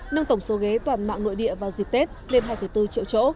nâng tổng số ghế toàn mạng nội địa vào dịp tết lên hai bốn triệu chỗ